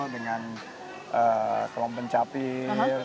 dengan kelompok pencapir